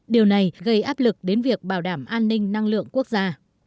điều này gây áp lực đến việc bảo đảm an ninh năng lượng quốc gia